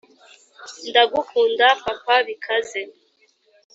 ndagukunda, papa bikaze